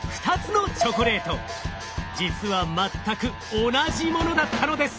実は全く同じものだったのです。